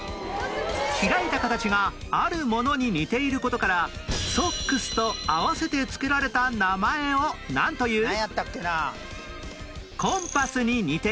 開いた形があるものに似ている事からソックスと合わせてつけられた名前をなんという？